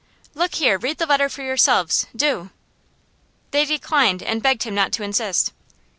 'Look here! Read the letter for yourselves! Do!' They declined, and begged him not to insist.